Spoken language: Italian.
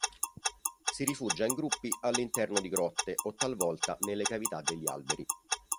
Si rifugia in gruppi all'interno di grotte o talvolta nelle cavità degli alberi.